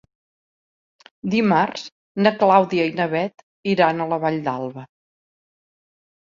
Dimarts na Clàudia i na Bet iran a la Vall d'Alba.